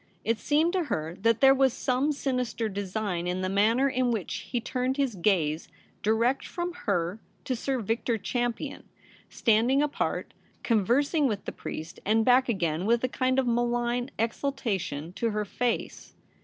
It seemed to her that there was some sinister design in the manner in which he turned his gaze direct from her to Sir Victor Champion, standing apart, conversing with the priest, and back again, with a kind of malign exultation, to her face.